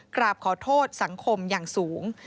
กราบขอโทษสังคมอย่างสูง